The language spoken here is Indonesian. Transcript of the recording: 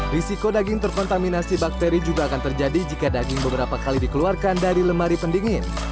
risiko daging terkontaminasi bakteri juga akan terjadi jika daging beberapa kali dikeluarkan dari lemari pendingin